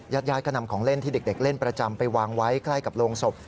ญาติญาติก็นำของเล่นที่เด็กเล่นประจำไปวางไว้ใกล้กับโรงศพ